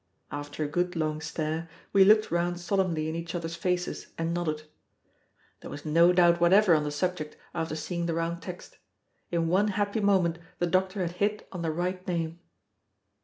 After a good long stare, we looked round solemnly in each other's faces and nodded. There was no doubt whatever on the subject after seeing the round text. In one happy moment the doctor had hit on the right name.